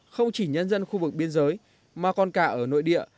không chỉ nhân dân khu vực biên giới mà còn cả ở nội địa